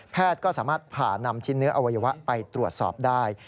ก็สามารถผ่านำชิ้นเนื้ออวัยวะไปตรวจสอบได้